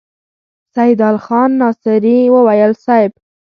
سيدال خان ناصري وويل: صېب!